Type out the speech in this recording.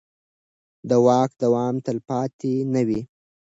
د واک دوام تلپاتې نه وي